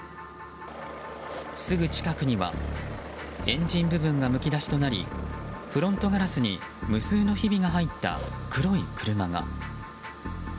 すぐ近くにはエンジン部分がむき出しとなりフロントガラスに無数のひびが入った黒い車が。